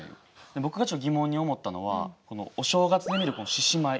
僕がちょっと疑問に思ったのはお正月に見る獅子舞